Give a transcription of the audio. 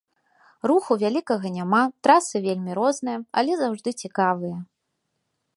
Руху вялікага няма, трасы вельмі розныя, але заўжды цікавыя.